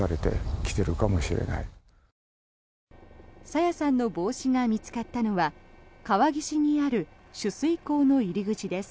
朝芽さんの帽子が見つかったのは川岸にある取水口の入り口です。